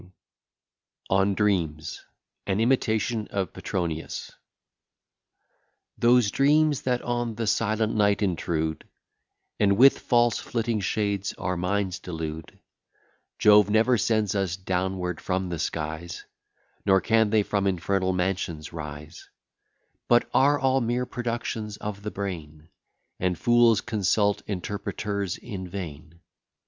] ON DREAMS AN IMITATION OF PETRONIUS Petronii Fragmenta, xxx. THOSE dreams, that on the silent night intrude, And with false flitting shades our minds delude Jove never sends us downward from the skies; Nor can they from infernal mansions rise; But are all mere productions of the brain, And fools consult interpreters in vain.